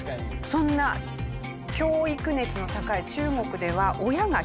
そんな教育熱の高い中国では何？